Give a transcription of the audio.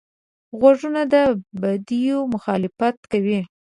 غوږونه د بدیو مخالفت کوي